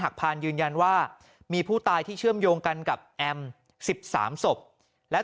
พานยืนยันว่ามีผู้ตายที่เชื่อมโยงกันกับแอม๑๓ศพและ